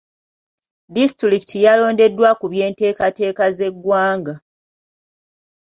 Disitulikiti yalondeddwa ku by'enteekateeka z'eggwanga.